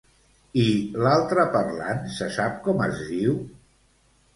I l'altre parlant, se sap com es diu?